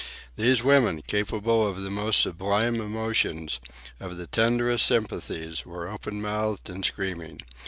These women, capable of the most sublime emotions, of the tenderest sympathies, were open mouthed and screaming.